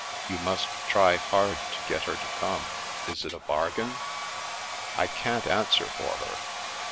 You must try hard to get her to come. Is it a bargain ?"" I can't answer for her."